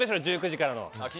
１９時からの。